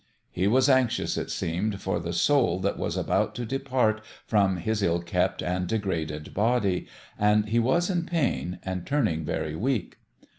He was anxious, it seemed, for the soul that was about to depart from his ill kept and de graded body ; and he was in pain, and turning very weak.